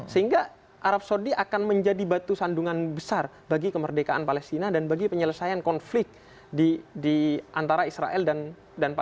sehingga arab saudi akan menjadi batu sandungan besar bagi kemerdekaan palestina dan bagi penyelesaian konflik di antara israel dan pales